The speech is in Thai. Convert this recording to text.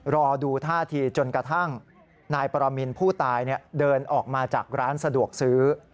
รอดูท่าทีจนกระทั่งนายปรมินผู้ตายเดินออกมาจากร้านสะดวกซื้อ